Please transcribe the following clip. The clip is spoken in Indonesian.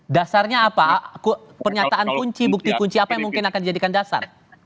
dasarnya apa pernyataan kunci bukti kunci apa yang mungkin akan dijadikan dasar